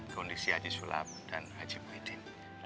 kondisi haji sulam dan haji muhyiddin